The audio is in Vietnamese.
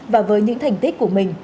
và với những thành tích của mình